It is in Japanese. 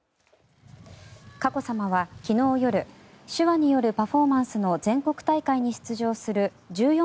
佳子さまは昨日夜手話によるパフォーマンスの全国大会に出場する１４